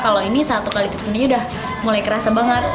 kalau ini satu kali turunnya udah mulai kerasa banget